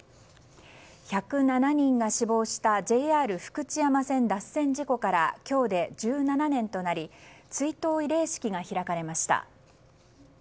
１０７人が死亡したＪＲ福知山線脱線事故から今日で１７年となり追悼慰霊式が開かれました。